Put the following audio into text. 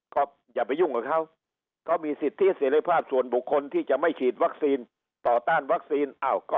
ก็อย่าไปยุ่งกับเขาก็มีสิทธิเสร็จภาพส่วนบุคคลที่จะไม่ฉีดวัคซีนต่อต้านวัคซีน